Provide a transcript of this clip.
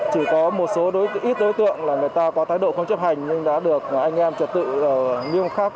chỉ có một số ít đối tượng là người ta có thái độ không chấp hành nhưng đã được anh em trật tự nghiêm khắc